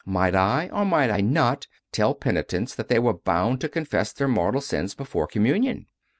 Might I or might I not tell penitents that they were bound to confess their mortal sins before Communion?